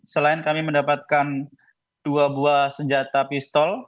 selain kami mendapatkan dua buah senjata pistol